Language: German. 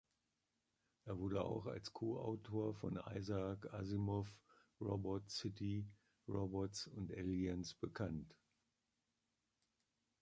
Er wurde auch als Co-Autor von Isaac Asimov "Robot City: Robots and Aliens" bekannt.